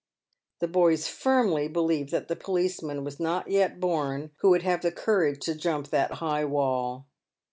The boys firmly believed that the policeman was not yet born who would have courage to jump that high wall.